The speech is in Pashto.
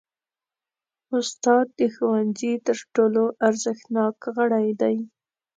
استاد د ښوونځي تر ټولو ارزښتناک غړی دی.